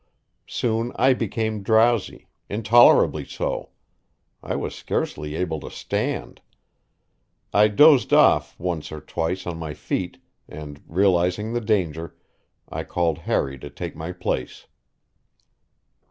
Soon I became drowsy intolerably so; I was scarcely able to stand. I dozed off once or twice on my feet; and, realizing the danger, I called Harry to take my place.